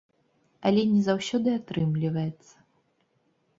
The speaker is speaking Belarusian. Але не заўсёды атрымліваецца.